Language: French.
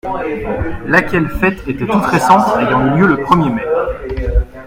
Laquelle fête était toute récente, ayant eu lieu le premier mai.